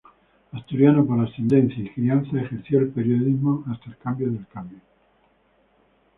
Asturiano por ascendencia y crianza, ejerció el periodismo hasta el cambio del cambio.